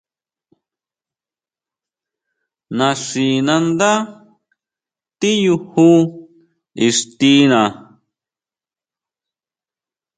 Naxinándá tiyuju ixtiná.